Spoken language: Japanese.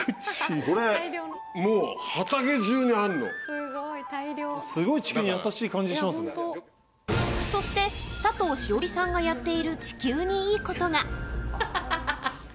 これ、すごい地球に優しい感じしまそして、佐藤栞里さんがやっている地球にいいことが。